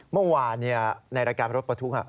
เมื่อวานในรายการรถประทุกข์